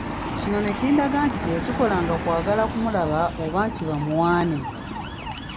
Kino ne kindaga nti teyakikolanga kwagala kumulaba oba nti bamuwaane.